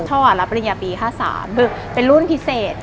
ท่อรับปริญญาปี๕๓คือเป็นรุ่นพิเศษ